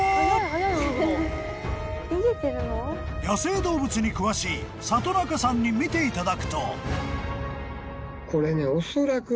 ［野生動物に詳しい里中さんに見ていただくと］